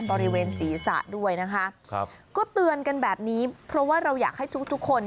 บริเวณศีรษะด้วยนะคะครับก็เตือนกันแบบนี้เพราะว่าเราอยากให้ทุกทุกคน